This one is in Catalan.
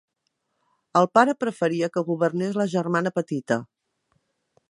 El pare preferia que governés la germana petita.